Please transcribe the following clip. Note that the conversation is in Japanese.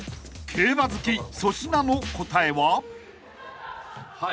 ［競馬好き粗品の答えは？］